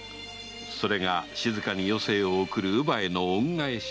それが静かに余生を送る乳母への恩返しだと考えた